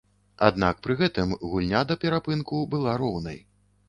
Аднак пры гэтым гульня да перапынку была роўнай.